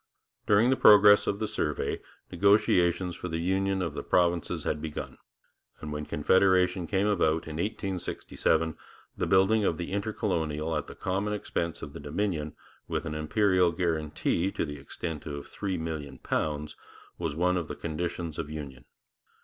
During the progress of the survey negotiations for the union of the provinces had begun, and when Confederation came about in 1867, the building of the Intercolonial at the common expense of the Dominion, with an imperial guarantee to the extent of £3,000,000, was one of the conditions of union.